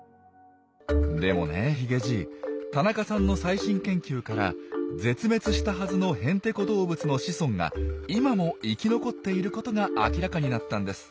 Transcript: でもねヒゲじい田中さんの最新研究から絶滅したはずのヘンテコ動物の子孫が今も生き残っていることが明らかになったんです。